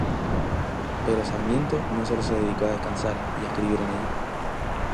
Pero Sarmiento no sólo se dedicó a descansar y a escribir en ella.